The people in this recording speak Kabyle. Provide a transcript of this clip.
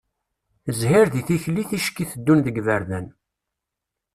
Zhir di tikli ticki teddun deg iberdan.